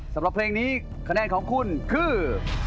สำหรับเพลงนี้คะแนนของคุณคือ